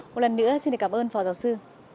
một lần nữa xin cảm ơn phó giáo sư